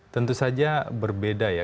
tentu saja berbeda ya